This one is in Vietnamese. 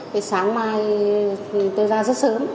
thì sáng mai tôi ra rất sớm